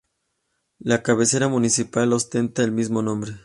La cabecera municipal ostenta el mismo nombre.